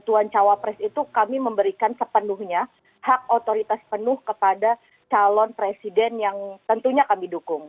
tentuan cawapres itu kami memberikan sepenuhnya hak otoritas penuh kepada calon presiden yang tentunya kami dukung